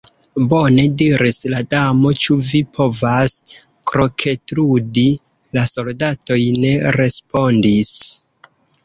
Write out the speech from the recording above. "Bone," diris la Damo. "Ĉu vi povas kroketludi?" La soldatoj ne respondis.